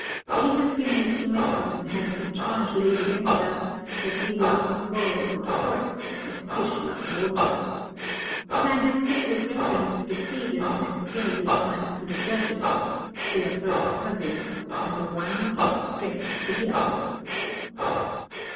They have been instrumental in having the charge laid against us that we love quarrels and courts, as fish love water. What I have said with reference to the pleaders necessarily applies to the judges; they are first cousins, and the one gives strength to the other.